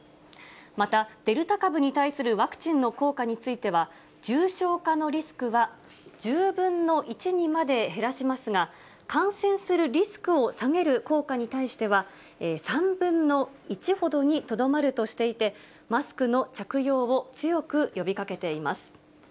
またデルタ株に対するワクチンの効果については、重症化のリスクは１０分の１にまで減らしますが、感染するリスクを下げる効果に対しては、３分の１ほどにとどまるとしていて、マスクの着用を強く呼びかけ